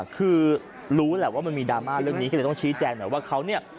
คือรู้แหละว่ามันมีดราม่าเรื่องนี้ก็เลยต้องชี้แจงหน่อยว่าเขาเนี่ย